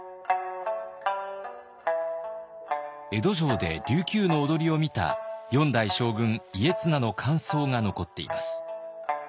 江戸城で琉球の踊りを見た４代将軍家綱の感想が残っています。